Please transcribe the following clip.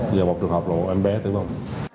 và một trường hợp là một em bé tử vong